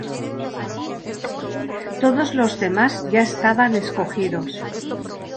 Todos los demás ya estaban escogidos.